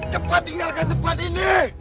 cepat tinggalkan tempat ini